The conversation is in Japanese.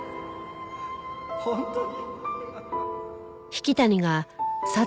本当に？